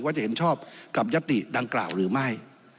จะเห็นชอบกับยัตติดังกล่าวหรือไม่